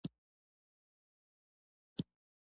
د کمپنۍ لپاره ډېر د پېښو ډک کلونه وو.